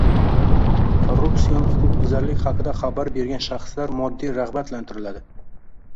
Korrupsion huquqbuzarlik haqida xabar bergan shaxslar moddiy ragʻbatlantiriladi.